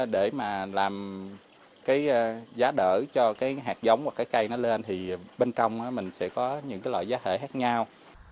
để mà làm cái giá đỡ cho cái hạt giống hoặc cái cây nó lên thì bên trong mình sẽ có những cái loại giá thể khác nhau